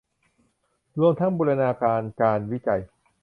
รวมทั้งบูรณาการการวิจัย